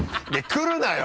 来るなよ！